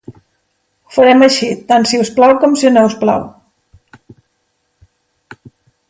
Ho farem així, tant si us plau com si no us plau.